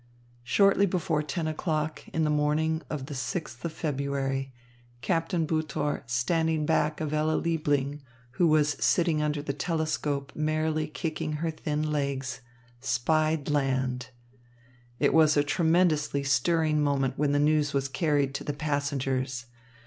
Shortly before ten o'clock in the morning of the sixth of February, Captain Butor, standing back of Ella Liebling, who was sitting under the telescope merrily kicking her thin legs, spied land. It was a tremendously stirring moment when the news was carried to the passengers.